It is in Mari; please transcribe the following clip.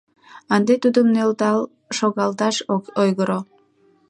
Ынде Тудым нӧлтал шогалташ ок ойгыро.